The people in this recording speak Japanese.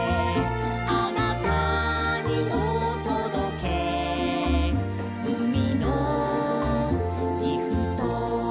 「あなたにおとどけ海のギフト」